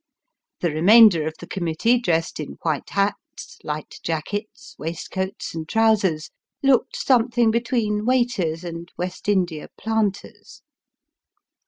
The remainder of the committee, dressed in white hats, light jackets, waistcoats, and trousers, looked something between waiters and West India planters.